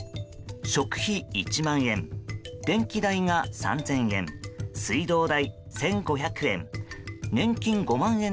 食費１万円電気代が３０００円水道代１５００円。